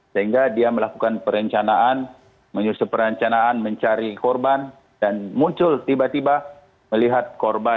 sehingga dia melakukan perencanaan menyusun perencanaan mencari korban dan muncul tiba tiba melihat korban